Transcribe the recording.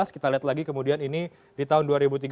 kita lihat lagi kemudian ini di tahun dua ribu tiga belas